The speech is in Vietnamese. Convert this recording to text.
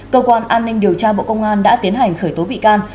cơ quan an ninh điều tra bộ công an đã tiến hành khởi tố bị can